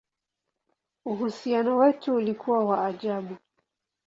Uhusiano wetu ulikuwa wa ajabu!